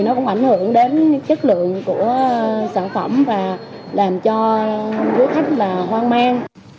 nó cũng ảnh hưởng đến chất lượng của sản phẩm và làm cho dưới khách hoang mang